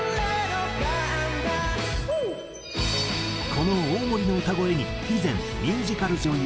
この大森の歌声に以前ミュージカル女優